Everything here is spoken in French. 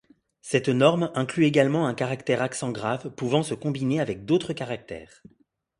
Cette norme inclut également un caractère accent grave pouvant se combiner avec d'autres caractères.